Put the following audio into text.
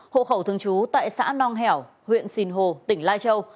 hộ khẩu thường trú tại xã nong hẻo huyện sìn hồ tỉnh lai châu